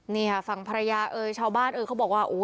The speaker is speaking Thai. นี่ฟังภรรยาเออเช้าบ้านเออเขาบอกว่า